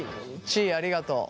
ちいありがとう。